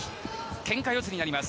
けんか四つになります。